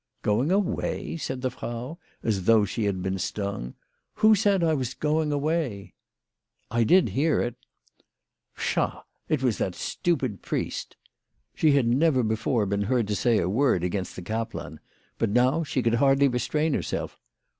" Going away !" said the Frau, as though she had been stung. " Who said that I was going away ?"" I did hear it." " Psha ! it was that stupid priest." She had never before been heard to sav a word against the kaplan ; but now she could baldly restrain herself.